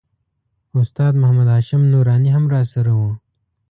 استاد محمد هاشم نوراني هم راسره و.